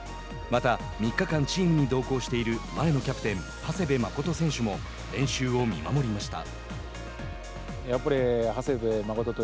また、３日間チームに同行している前のキャプテン長谷部誠選手も練習を見守りました。